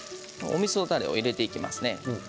おみそだれを入れていきます。